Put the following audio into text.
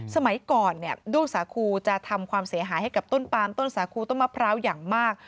สมัยก่อนเนี่ยด้วงสาคูจะทำความเสียหายให้กับต้นปามต้นสาคูต้นมะพร้าวอย่างมาก